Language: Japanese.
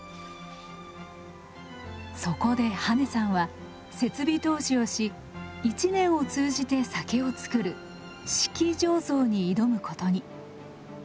そこで羽根さんは設備投資をし１年を通じて酒を造る「四季醸造」に挑むことに。